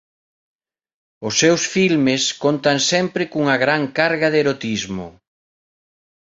Os seus filmes contan sempre cunha gran carga de erotismo.